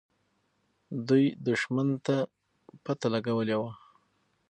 دوی دښمن ته پته لګولې وه.